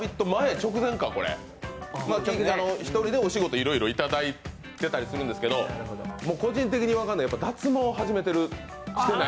直前か１人でお仕事いろいろいただいてたりするんですけど、個人的に分かんない、脱毛始めてる。